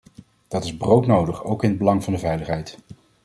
Dat is broodnodig, ook in het belang van de veiligheid.